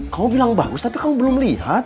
kau bilang bagus tapi kamu belum lihat